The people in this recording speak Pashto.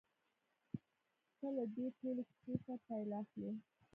ته له دې ټولې کيسې څه پايله اخلې؟